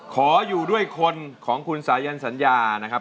ขออยู่ด้วยคนของคุณสายันสัญญานะครับ